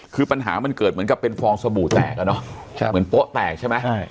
คือปัญหามันเกิดเหมือนกับเป็นฟองสบู่แตกอ่ะเนอะเหมือนโป๊ะแตกใช่ไหมใช่